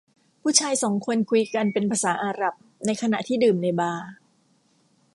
ผู้ชายสองคนคุยกันเป็นภาษาอาหรับในขณะที่ดื่มในบาร์